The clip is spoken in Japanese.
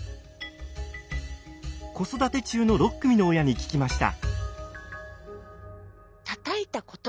子育て中の６組の親に聞きました。